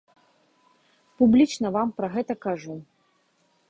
Публічна вам пра гэта кажу.